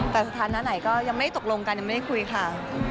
แต่สุดท้านหน้าไหนก็ยังไม่ได้ตกลงกันยังไม่ได้คุยค่ะ